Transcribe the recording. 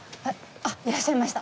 あっいらっしゃいました。